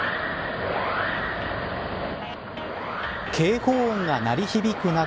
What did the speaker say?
警報音が鳴り響く中